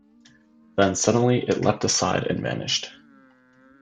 Then suddenly it leapt aside and vanished.